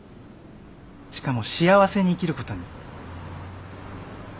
しかも幸せに生きることに。